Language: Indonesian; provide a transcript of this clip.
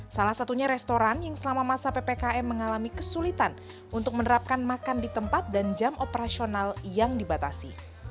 salah satunya restoran yang selama masa ppkm mengalami kesulitan untuk menerapkan makan di tempat dan jam operasional yang dibatasi